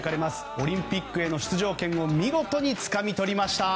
オリンピックへの出場権を見事につかみ取りました。